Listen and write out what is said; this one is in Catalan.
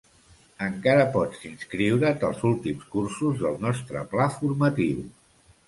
Encara pots inscriure't als últims cursos del nostre pla formatiu.